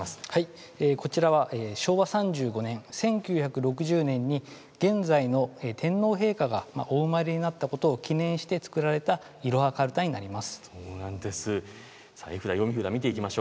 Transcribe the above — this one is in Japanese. こちらは昭和３５年１９６０年に現在の天皇陛下がお生まれになったことを記念して作られたいろはカルタになります。